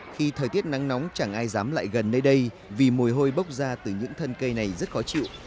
khi thời tiết nắng nóng chẳng ai dám lại gần nơi đây vì mùi hôi bốc ra từ những thân cây này rất khó chịu